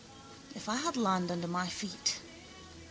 If I had land under my feet.